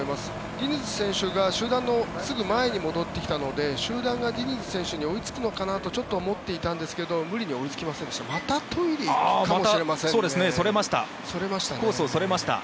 ディニズ選手が集団のすぐ前に戻ってきたので集団がディニズ選手に追いつくのかなとちょっと思っていたんですけど無理に追いつきませんでしたね。